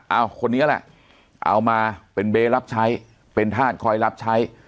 เอาคนนี้แหละเอามาเป็นเบรับใช้เป็นธาตุคอยรับใช้